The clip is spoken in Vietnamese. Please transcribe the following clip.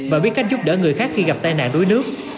và biết cách giúp đỡ người khác khi gặp tai nạn đuối nước